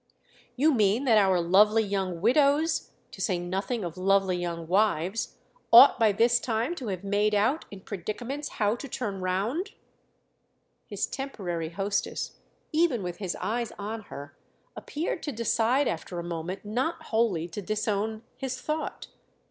"You mean that our lovely young widows—to say nothing of lovely young wives—ought by this time to have made out, in predicaments, how to turn round?" His temporary hostess, even with his eyes on her, appeared to decide after a moment not wholly to disown his thought.